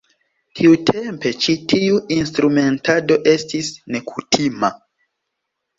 Tiutempe ĉi tiu instrumentado estis nekutima.